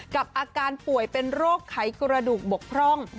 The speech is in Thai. กับอาการป่วยเป็นโรคไขกระดูกบกพร่อง